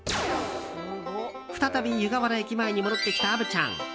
再び湯河原駅前に戻ってきた虻ちゃん。